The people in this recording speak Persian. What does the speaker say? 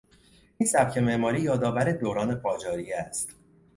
این سبک معماری یادآور دوران قاجاریه است.